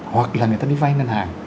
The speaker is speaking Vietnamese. hoặc là người ta đi vay ngân hàng